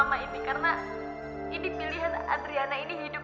nanti yang akan menjalani hidup ini adalah adriana